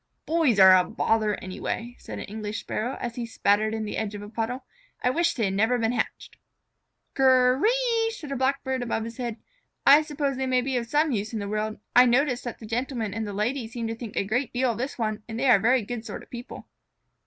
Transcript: "Boys are a bother, anyway," said an English Sparrow, as he spattered in the edge of a puddle. "I wish they had never been hatched." "Ker eeeee!" said a Blackbird above his head. "I suppose they may be of some use in the world. I notice that the Gentleman and the Lady seem to think a great deal of this one, and they are a very good sort of people."